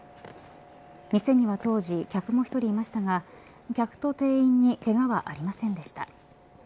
店には当時、客も１人いましたが客と店員にけがはありませんでした。